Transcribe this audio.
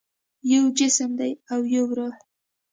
یو جسم دی او یو روح